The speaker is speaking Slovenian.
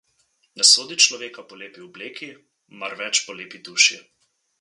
Ne sodi človeka po lepi obleki, marveč po lepi duši.